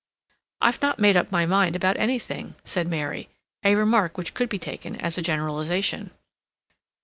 "I've not made up my mind about anything," said Mary—a remark which could be taken as a generalization.